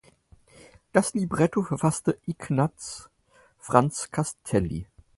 Das Libretto verfasste Ignaz Franz Castelli.